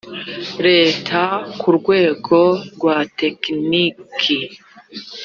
leta ku rwego rwa tekiniki